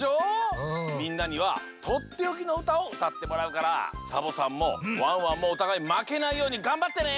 みんなにはとっておきのうたをうたってもらうからサボさんもワンワンもおたがいまけないようにがんばってね！